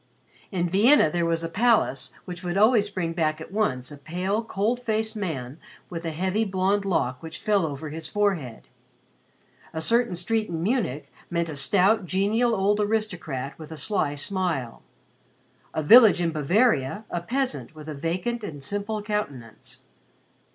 In Vienna there was a palace which would always bring back at once a pale cold faced man with a heavy blonde lock which fell over his forehead. A certain street in Munich meant a stout genial old aristocrat with a sly smile; a village in Bavaria, a peasant with a vacant and simple countenance.